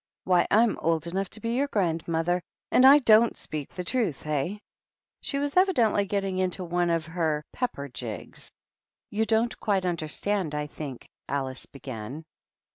Why, I'm old enough to be your grandmother. And I don't speak the truth, hey ?" She was evidently getting into one of her pepper jigs. THE RED QUEEN AND THE DUCHESS. 131 "You don't quite understand, I think " Alice began.